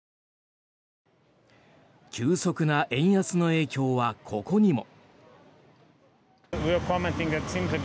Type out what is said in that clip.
急速な円安の影響はここにも。